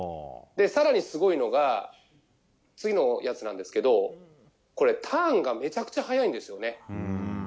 更にすごいのが次のやつなんですけどターンがめちゃくちゃ速いんですよね。